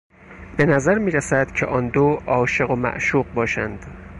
بهنظر میرسد که آندو عاشق و معشوق باشند.